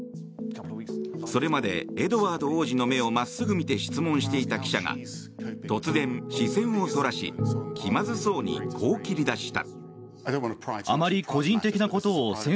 それまで、エドワード王子の目を真っすぐ見て質問していた記者が突然、視線をそらし気まずそうにこう切り出した。